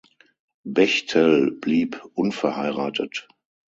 Bechtel blieb unverheiratet.